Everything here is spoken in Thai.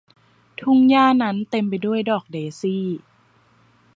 ทุ่งหญ้านั้นเต็มไปด้วยดอกเดซี่